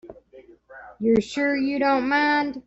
You're sure you don't mind?